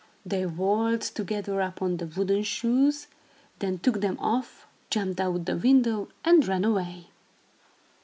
They waltzed together upon the wooden shoes, then took them off, jumped out the window, and ran away.